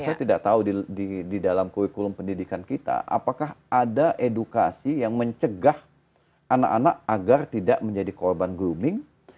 saya tidak tahu di dalam kurikulum pendidikan kita apakah ada edukasi yang mencegah anak anak agar tidak menjadi korban grooming